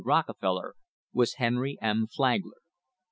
Rockefeller was Henry M. Flagler.